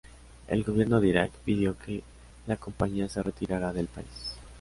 El gobierno de Irak pidió que la compañía se retirara del país.